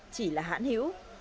chỉ là hãn hiểu